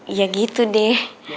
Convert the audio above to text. iya gitu deh